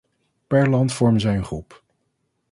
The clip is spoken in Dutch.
Per land vormen zij een groep.